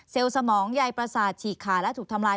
สมองใยประสาทฉีกขาและถูกทำลาย